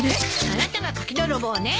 あなたが柿泥棒ね？